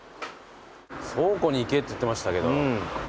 倉庫に行けって言ってましたけど。